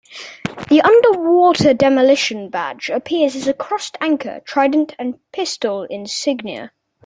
The Underwater Demolition Badge appears as a crossed anchor, trident and pistol insignia.